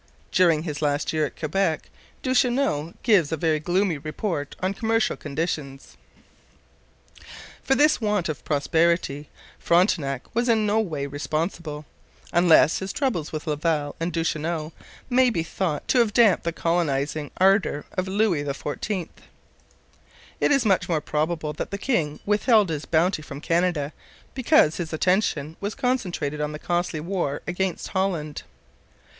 During his last year at Quebec Duchesneau gives a very gloomy report on commercial conditions. For this want of prosperity Frontenac was in no way responsible, unless his troubles with Laval and Duchesneau may be thought to have damped the colonizing ardour of Louis XIV. It is much more probable that the king withheld his bounty from Canada because his attention was concentrated on the costly war against Holland.